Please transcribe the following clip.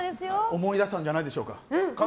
思い出したんじゃないでしょうか。